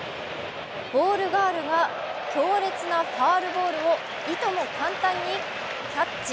ボールガールが強烈なファウルボールをいとも簡単にキャッチ。